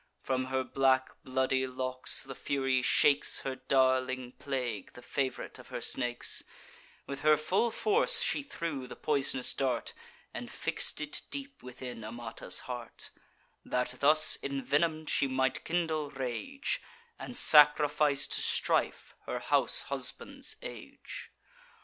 From her black bloody locks the Fury shakes Her darling plague, the fav'rite of her snakes; With her full force she threw the poisonous dart, And fix'd it deep within Amata's heart, That, thus envenom'd, she might kindle rage, And sacrifice to strife her house and husband's age.